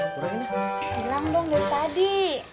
bilang dong dari tadi